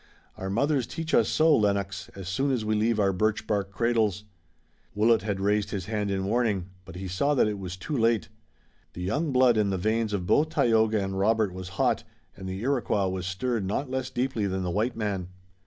"Our mothers teach us so, Lennox, as soon as we leave our birch bark cradles." Willet had raised his hand in warning, but he saw that it was too late. The young blood in the veins of both Tayoga and Robert was hot, and the Iroquois was stirred not less deeply than the white man.